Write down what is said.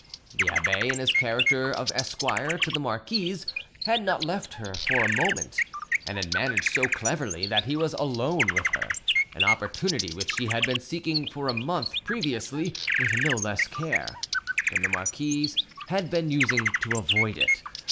The abbe, in his character of esquire to the marquise, had not left her for a moment, and had managed so cleverly that he was alone with her—an opportunity which he had been seeking for a month previously with no less care—than the marquise had been using to avoid it.